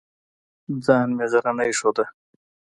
ځان مې غرنی ښوده.